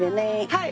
はい！